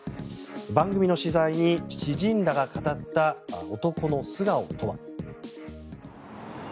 番組の取材に知人らが語った男の素顔とは。